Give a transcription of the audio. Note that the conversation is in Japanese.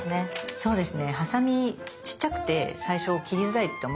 そうですね。